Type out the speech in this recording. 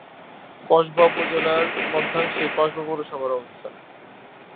কসবা উপজেলার মধ্যাংশে কসবা পৌরসভার অবস্থান।